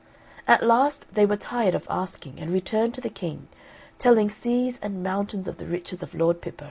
At last they were tired of asking, and returned to the King, telling seas and mountains of the riches of Lord Pippo.